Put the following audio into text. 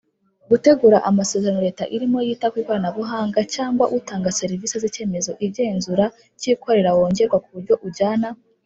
gutegura amasezerano Leta irimo yita kwi koranabuhanga cyangwa utanga servisi z icyemezo igenzura cyikorera wongerwa ku buryo ujyana